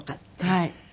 はい。